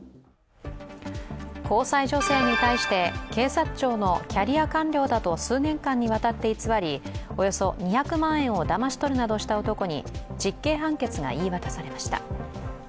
交際女性に対して警察庁のキャリア官僚だと数年間にわたって偽りおよそ２００万円をだまし取るなどした男に実刑判決が言い渡されました。